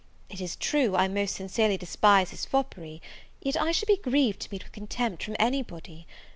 It is true, I most sincerely despise his foppery; yet I should be grieved to meet with contempt from any body.